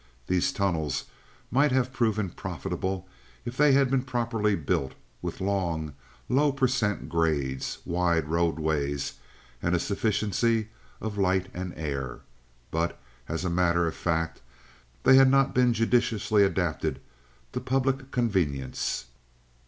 These tunnels might have proved profitable if they had been properly built with long, low per cent. grades, wide roadways, and a sufficiency of light and air; but, as a matter of fact, they had not been judiciously adapted to public convenience.